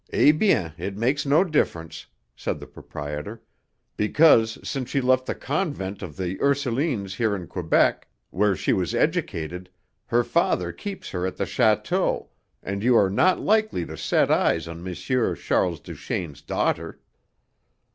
"Eh bien, it makes no difference," said the proprietor, "because, since she left the Convent of the Ursulines here in Quebec, where she was educated, her father keeps her at the château, and you are not likely to set eyes on M. Charles Duchaine's daughter."